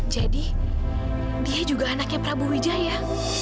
jadi dia juga anaknya prabu wijaya